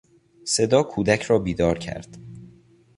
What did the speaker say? صدا کودک را بیدار کرد.